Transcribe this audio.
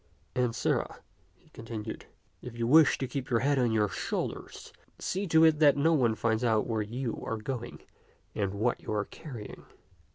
And, sirrah," he continued, " if you wish to keep your head on your shoulders, see to it that no one finds out where you are going or what you are carrying."